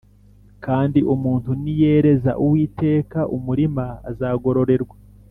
Kandi umuntu niyereza Uwiteka umurima, azagorerwa